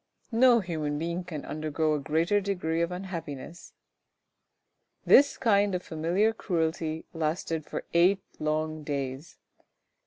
No human being can undergo a greater degree of unhappiness. This kind of familiar cruelty lasted for eight long days.